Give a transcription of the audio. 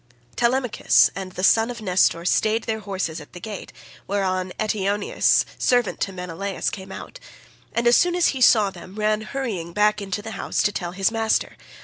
38 Telemachus and the son of Nestor stayed their horses at the gate, whereon Eteoneus servant to Menelaus came out, and as soon as he saw them ran hurrying back into the house to tell his Master.